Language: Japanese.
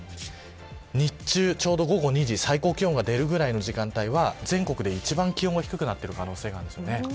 日中の午後２時の最高気温が出るくらいの時間は全国で一番気温が低くなっている可能性があります。